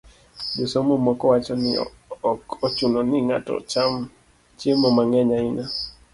Josomo moko wacho ni ok ochuno ni ng'ato ocham chiemo mang'eny ahinya